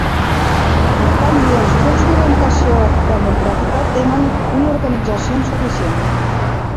En canvi, els grups d'orientació democràtica tenen una organització insuficient.